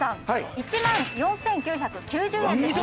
１万４９９０円でした。